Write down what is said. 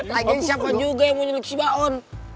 lagian siapa juga yang mau nyulik si baon